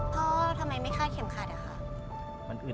พ่อทำไมไม่กล้าเห็นแขนหลวนแล้ว